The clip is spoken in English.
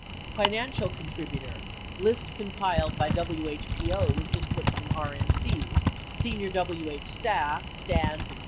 Financial contributor — list compiled by WHPO with inputs from ENC, senior WH staff, Stans, etc.